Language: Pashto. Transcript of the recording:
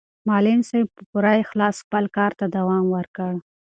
معلم صاحب په پوره اخلاص خپل کار ته دوام ورکړ.